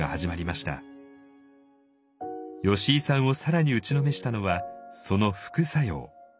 吉井さんを更に打ちのめしたのはその副作用。